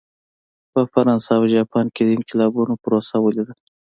په فرانسه او جاپان کې د انقلابونو پروسه ولیده.